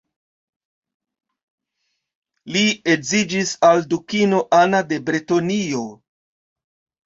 Li edziĝis al dukino Ana de Bretonio.